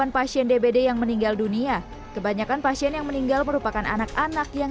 delapan pasien dbd yang meninggal dunia kebanyakan pasien yang meninggal merupakan anak anak yang